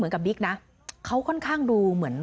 คุยกับตำรวจเนี่ยคุยกับตำรวจเนี่ย